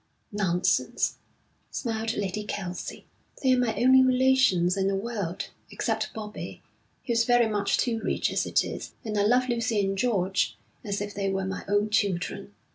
'Nonsense,' smiled Lady Kelsey. 'They're my only relations in the world, except Bobbie, who's very much too rich as it is, and I love Lucy and George as if they were my own children.